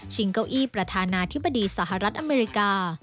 เก้าอี้ประธานาธิบดีสหรัฐอเมริกา